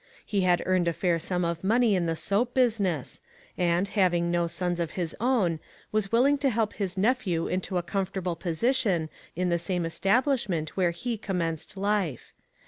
He had earned a fair sum of money in the soap business, OVERDOING. 437 and, having no sons of his own, was willing to help his nephew into a comfortable posi tion in the same establishment where he commenced life.